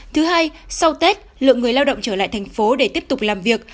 thứ hai sau tết lượng người lao động trở lại thành phố để tiếp tục làm việc